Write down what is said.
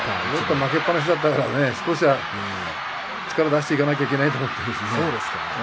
負けっぱなしでしたから少しは力を出していかなければいけないと思ったんですね。